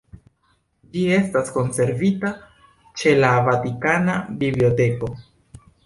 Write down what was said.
Ĝi estas konservita ĉe la Vatikana Biblioteko.